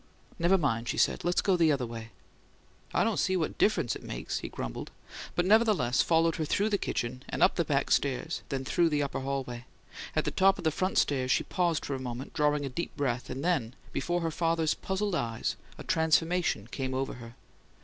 "Never mind," she said. "Let's go the other way." "I don't see what difference it makes," he grumbled, but nevertheless followed her through the kitchen, and up the back stairs then through the upper hallway. At the top of the front stairs she paused for a moment, drawing a deep breath; and then, before her father's puzzled eyes, a transformation came upon her.